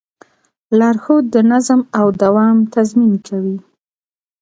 لارښود د نظم او دوام تضمین کوي.